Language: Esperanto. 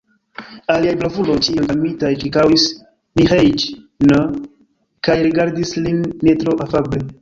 Aliaj bravuloj, ĉiuj armitaj, ĉirkaŭis Miĥeiĉ'n kaj rigardis lin ne tro afable.